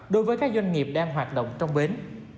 đối với các doanh nghiệp đang hoạt động trong bến